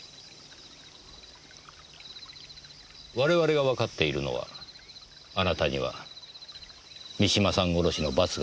我々がわかっているのはあなたには三島さん殺しの罰が下るということです。